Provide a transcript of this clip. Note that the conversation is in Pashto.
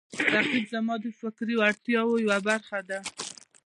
رقیب زما د فکري وړتیاو یوه برخه ده